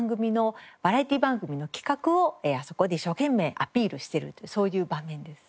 バラエティー番組の企画をあそこで一生懸命アピールしてるというそういう場面です。